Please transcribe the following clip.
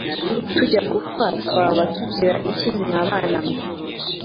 Tujya gupfa twaba tuzira iki mwabana mwe